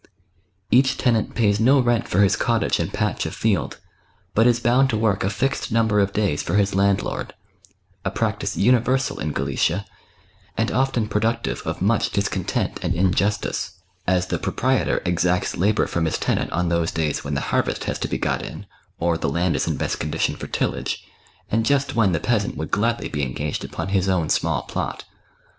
Each tenant pays no rent for his cottage and patch of field, but is bound to work a fixed number of days for his landlord: a practice universal in Galicia, and often productive of much discontent and injustice. 240 THE BOOK OF WERE WOLVBS. as the proprietor exacts labour from his tenant on those days when the harvest has to be got in, or the land is in best condition for tillage, and just when the peasant would gladly be engaged upon his own small plot.